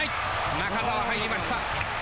中澤、入りました。